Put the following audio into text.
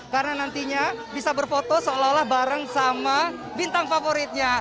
karena nantinya bisa berfoto seolah olah bareng sama bintang favoritnya